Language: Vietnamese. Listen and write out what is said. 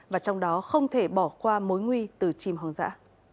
và trong đó không thể bỏ qua mối nguy từ chim hoang dã